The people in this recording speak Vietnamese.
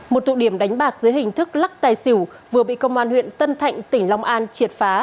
một tụ điểm đánh bạc dưới hình thức lắc tài xỉu vừa bị công an huyện tân thạnh tỉnh long an triệt phá